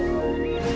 terima kasih juga